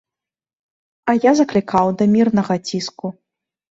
А я заклікаў да мірнага ціску.